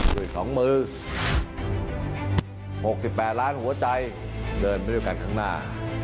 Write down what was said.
ด้วย๒มือ๖๘ล้านหัวใจเดินไปด้วยกันข้างหน้า